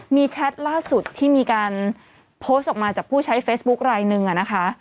มีแชทล่าสุดที่มีการโพสต์ออกมาจากผู้ใช้เฟซบุ๊คลายหนึ่งนะคะ